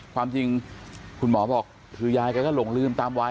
ความจริงคุณหมอบอกคือยายแกก็หลงลืมตามวัย